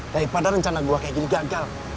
daripada rencana gue kayak gini gagal